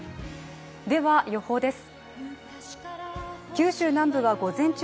では、予報です。